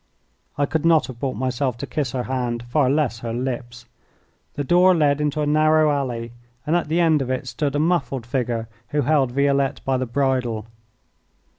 I could not have brought myself to kiss her hand, far less her lips. The door led into a narrow alley, and at the end of it stood a muffled figure, who held Violette by the bridle.